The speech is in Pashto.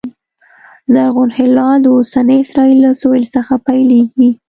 زرغون هلال د اوسني اسرایل له سوېل څخه پیلېږي